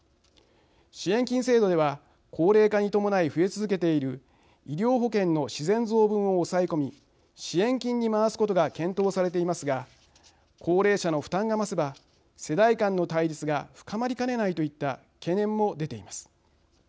支援金制度では高齢化に伴い増え続けている医療保険の自然増分を抑え込み支援金に回すことが検討されていますが高齢者の負担が増せば世代間の対立が深まりかねないといった懸念も出ています。